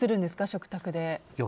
食卓で。